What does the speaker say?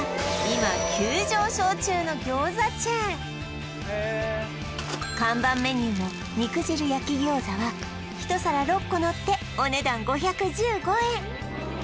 今急上昇中の餃子チェーン看板メニューの肉汁焼餃子は一皿６個のってお値段５１５円